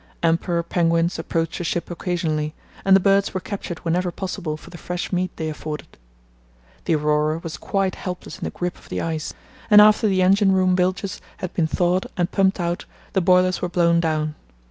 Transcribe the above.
Emperor penguins approached the ship occasionally, and the birds were captured whenever possible for the fresh meat they afforded. The Aurora was quite helpless in the grip of the ice, and after the engine room bilges had been thawed and pumped out the boilers were blown down.